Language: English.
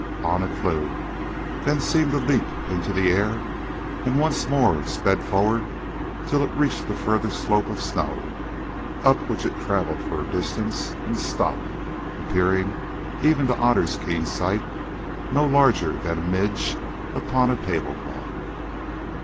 On it flew, then seemed to leap into the air, and once more sped forward till it reached the further slope of snow, up which it travelled for a distance, and stopped, appearing, even to Otter's keen sight, no larger than a midge upon a table cloth.